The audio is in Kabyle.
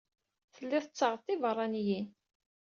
Tellid tettaɣed tibeṛṛaniyin.